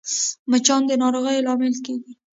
مچان د ناروغیو لامل کېږي